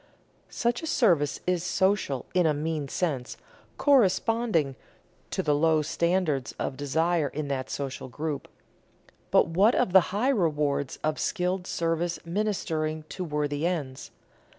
Such a service is "social" in a mean sense, corresponding to the low standards of desire in that social group. But what of the high rewards of skilled service ministering to worthy ends?